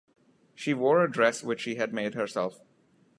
She wore a dress which she had made herself.